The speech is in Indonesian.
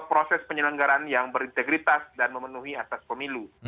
sebuah proses penyelenggaran yang berintegritas dan memenuhi atas pemilu